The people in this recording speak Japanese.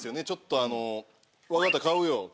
ちょっとあの「分かった買うよ